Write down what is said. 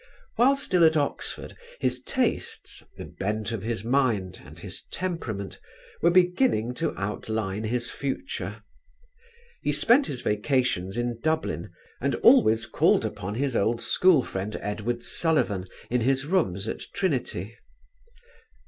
While still at Oxford his tastes the bent of his mind, and his temperament were beginning to outline his future. He spent his vacations in Dublin and always called upon his old school friend Edward Sullivan in his rooms at Trinity.